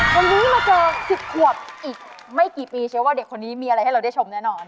วันนี้มาเจอ๑๐ขวบอีกไม่กี่ปีเชื่อว่าเด็กคนนี้มีอะไรให้เราได้ชมแน่นอน